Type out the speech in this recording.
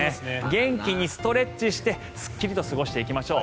元気にストレッチしてすっきりと過ごしていきましょう。